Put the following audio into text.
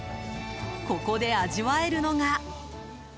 ここで味わえるのが。